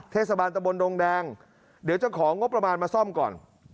เทศบาลตะบนดงแดงเดี๋ยวจะของงบประมาณมาซ่อมก่อน